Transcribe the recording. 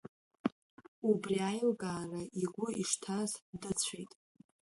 Убри аилкаара игәы ишҭаз, дыцәеит.